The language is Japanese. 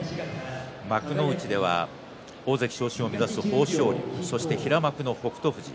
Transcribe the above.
幕内では大関昇進を目指す豊昇龍そして平幕の北勝富士